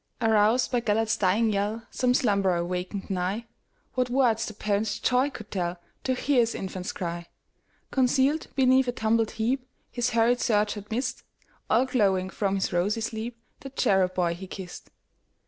Aroused by Gêlert's dying yell, Some slumberer wakened nigh:What words the parent's joy could tellTo hear his infant's cry! Concealed beneath a tumbled heapHis hurried search had missed, All glowing from his rosy sleep, The cherub boy he kissed.